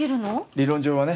理論上はね。